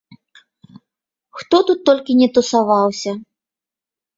Хто тут толькі ні тусаваўся!